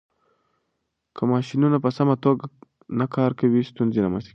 که ماشينونه په سمه توګه نه کار کوي، ستونزې رامنځته کېږي.